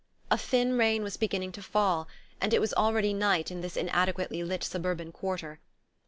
A thin rain was beginning to fall, and it was already night in this inadequately lit suburban quarter.